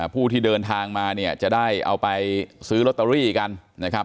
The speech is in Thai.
ผู้ที่เดินทางมาเนี่ยจะได้เอาไปซื้อลอตเตอรี่กันนะครับ